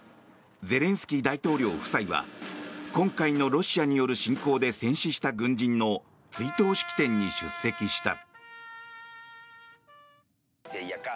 ゼレンスキー大統領夫妻は今回のロシアによる侵攻で戦死した軍人の追悼式典に出席した。